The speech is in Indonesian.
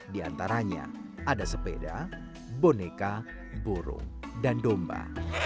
di antaranya ada sepeda boneka burung dan domba